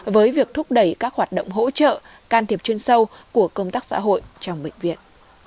với việc thúc đẩy các hoạt động hỗ trợ can thiệp chuyên sâu của công tác xã hội trong bệnh viện